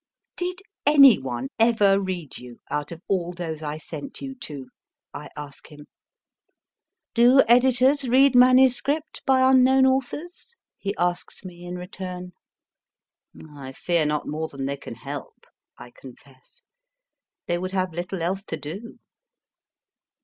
Did anyone ever read you out of all those I sent you to ? I ask him. 1 Do editors read manuscript by unknown authors ? he asks me in return. I fear not more than they can help, I confess ; they would have little else to do.